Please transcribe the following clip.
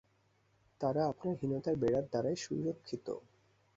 তারা আপনার হীনতার বেড়ার দ্বারাই সুরক্ষিত।